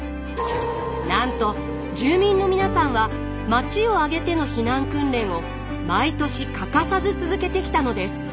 なんと住民の皆さんは町を挙げての避難訓練を毎年欠かさず続けてきたのです。